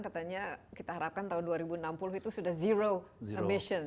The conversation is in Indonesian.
katanya kita harapkan tahun dua ribu enam puluh itu sudah zero emission